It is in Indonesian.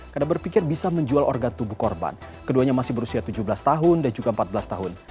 karena berpikir bisa menjual organ tubuh korban keduanya masih berusia tujuh belas tahun dan juga empat belas tahun